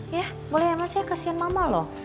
ya boleh ya mas ya kasihan mama loh